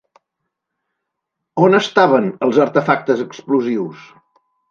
On estaven els artefactes explosius?